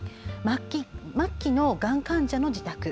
末期のがん患者の自宅。